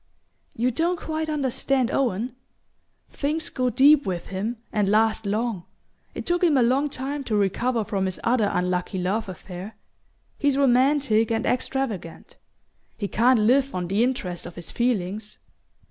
"You don t quite understand Owen. Things go deep with him, and last long. It took him a long time to recover from his other unlucky love affair. He's romantic and extravagant: he can't live on the interest of his feelings.